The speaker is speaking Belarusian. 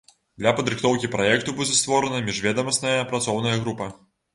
Для падрыхтоўкі праекту будзе створаная міжведамасная працоўная група.